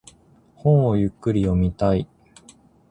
本をゆっくり読みたい。